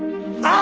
あ！